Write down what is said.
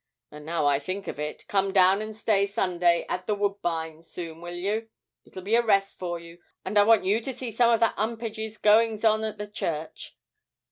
And now I think of it, come down and stay Sunday at "The Woodbines" soon, will you? it'll be a rest for you, and I want you to see some of that 'Umpage's goings on at the church.'